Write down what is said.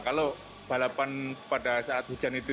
kalau balapan pada saat hujan itu